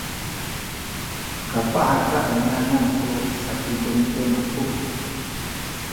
kapah aca minanam tu sapidundun aku